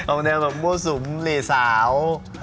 ออกแนวแบบมั่วสุมเหลสาว